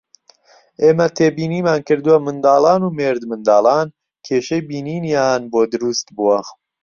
ئێمە تێبینیمان کردووە منداڵان و مێردمنداڵان کێشەی بینینیان بۆ دروستبووە